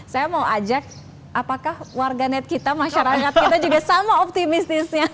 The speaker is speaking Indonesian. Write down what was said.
saya mau ajak apakah warganet kita masyarakat kita juga sama optimistisnya